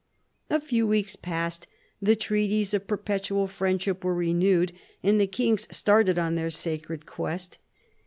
A few weeks passed, the treaties of perpetual friend ship were renewed, and the kings started on their sacred quest.